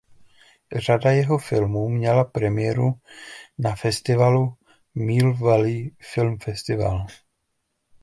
Řada jeho filmů měla premiéru na festivalu Mill Valley Film Festival.